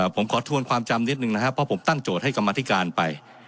ผมขอทวนความจำนิดนึงนะครับเพราะผมตั้งโจทย์ให้กรรมธิการไป